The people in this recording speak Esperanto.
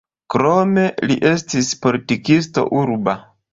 Krome li estis politikisto urba.